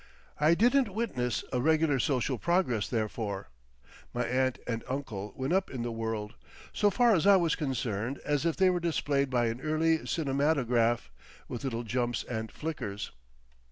I didn't witness a regular social progress therefore; my aunt and uncle went up in the world, so far as I was concerned, as if they were displayed by an early cinematograph, with little jumps and flickers.